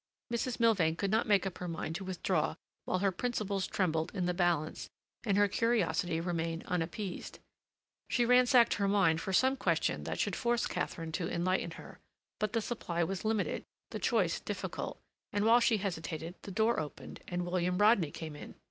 Mrs. Milvain could not make up her mind to withdraw while her principles trembled in the balance and her curiosity remained unappeased. She ransacked her mind for some question that should force Katharine to enlighten her, but the supply was limited, the choice difficult, and while she hesitated the door opened and William Rodney came in.